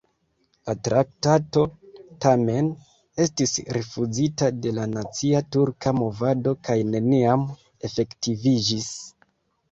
La traktato, tamen, estis rifuzita de la nacia turka movado kaj neniam efektiviĝis.